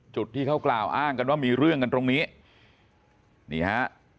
จุดที่เขากล่าวอ้างกันว่ามีเรื่องกันตรงนี้นี่ฮะ